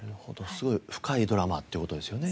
すごい深いドラマっていう事ですよね。